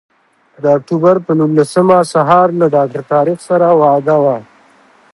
د اکتوبر پر نولسمه سهار له ډاکټر طارق سره وعده وه.